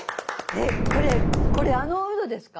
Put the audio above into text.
えっこれこれあのウドですか？